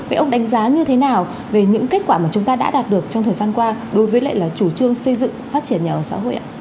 vậy ông đánh giá như thế nào về những kết quả mà chúng ta đã đạt được trong thời gian qua đối với lại là chủ trương xây dựng phát triển nhà ở xã hội ạ